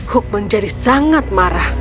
hook menjadi sangat marah